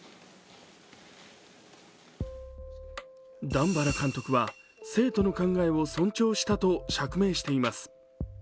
段原監督は生徒の考えを尊重したと釈明しています。